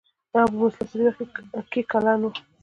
ابو مسلم په دې وخت کې کلن و.